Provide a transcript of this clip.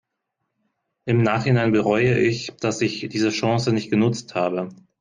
Im Nachhinein bereue ich, dass ich diese Chance nicht genutzt habe.